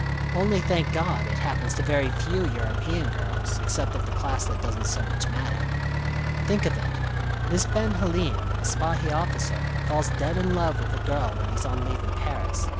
Only, thank God, it happens to very few European girls, except of the class that doesn't so much matter. Think of it. This Ben Halim, a Spahi officer, falls dead in love with a girl when he's on leave in Paris.